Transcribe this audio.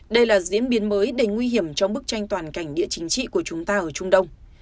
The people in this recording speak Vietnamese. đây là diễn biến mới đầy nguy hiểm trong bức tranh toàn cảnh địa chính trị của chúng ta ở trung đông